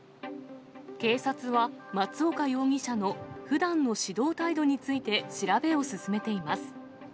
警察は松岡容疑者のふだんの指導態度について調べを進めています。